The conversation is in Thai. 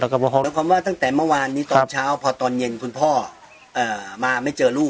หมายความว่าตั้งแต่เมื่อวานนี้ตอนเช้าพอตอนเย็นคุณพ่อมาไม่เจอลูก